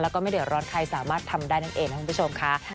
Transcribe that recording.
แล้วก็ไม่เดือดร้อนใครสามารถทำได้นั่นเองนะคุณผู้ชมค่ะ